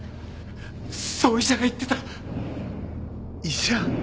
そう医者が言ってた医者？